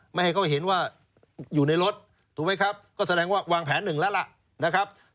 ไม่ให้เขาเห็นว่าอยู่ในรถก็แสดงว่าวางแผนหนึ่งแล้ว